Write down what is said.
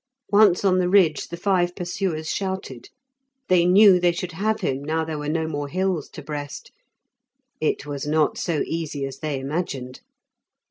Once on the ridge the five pursuers shouted; they knew they should have him now there were no more hills to breast. It was not so easy as they imagined.